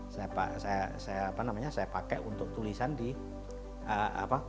saya pakai untuk tulisan di apa